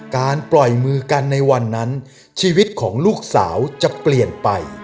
การปล่อยมือกันในวันนั้นชีวิตของลูกสาวจะเปลี่ยนไป